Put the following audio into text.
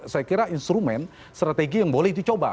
saya kira instrumen strategi yang boleh dicoba